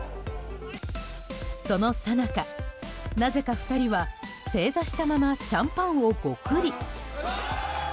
そのさなか、なぜか２人は正座したままシャンパンをごくり。